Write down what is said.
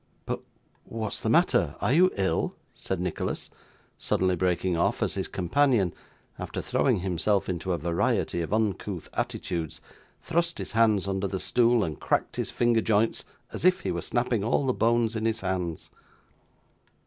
'But, what's the matter are you ill?' said Nicholas, suddenly breaking off, as his companion, after throwing himself into a variety of uncouth attitudes, thrust his hands under the stool, and cracked his finger joints as if he were snapping all the bones in his hands.